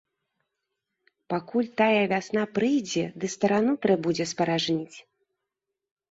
Пакуль тая вясна прыйдзе ды старану трэ будзе спаражніць.